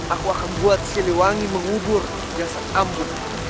aku akan buat siliwangi mengubur jasad ambo